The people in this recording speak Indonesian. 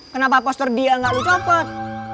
kenapa poster dia gak lu copot